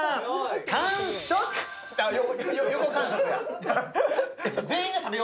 横完食や。